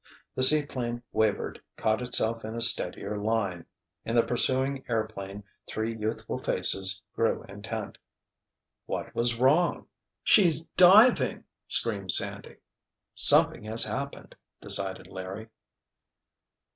The seaplane wavered, caught itself in a steadier line. In the pursuing airplane three youthful faces grew intent. What was wrong? "She's diving!" screamed Sandy. "Something has happened!" decided Larry.